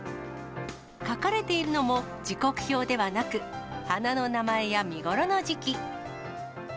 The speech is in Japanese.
書かれているのも時刻表ではなく、花の名前や見頃の時期。